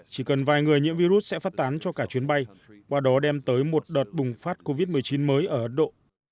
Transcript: chỉ cần vài người nhiễm virus sẽ phát tán cho cả chuyến bay qua đó đem tới một đợt bùng phát covid một mươi chín mới ở ấn độ